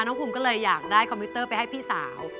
ภูมิก็เลยอยากได้คอมพิวเตอร์ไปให้พี่สาว